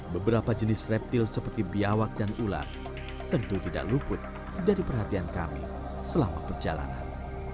beberapa jenis reptil seperti biawak dan ular tentu tidak luput dari perhatian kami selama perjalanan